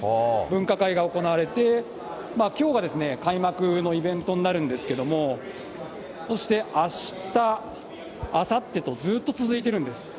分科会が行われて、きょうが開幕のイベントになるんですけれども、そしてあした、あさってと、ずっと続いているんです。